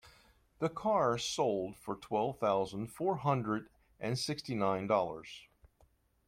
The car sold for twelve thousand four hundred and sixty nine dollars.